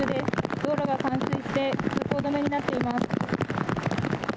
道路が冠水して通行止めになっています。